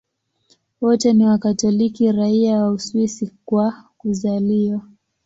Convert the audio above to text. Wote ni Wakatoliki raia wa Uswisi kwa kuzaliwa.